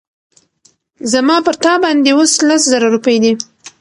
زما پر تا باندي اوس لس زره روپۍ دي